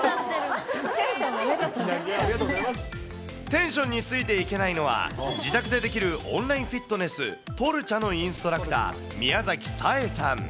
テンションについていけないのは、自宅でできるオンラインフィットネス、トルチャのインストラクター、宮崎紗衣さん。